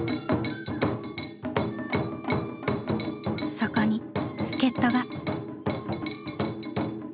そこに助っ人が。